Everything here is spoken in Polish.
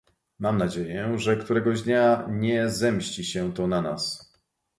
Mam nadzieję, że któregoś dnia nie zemści się to na nas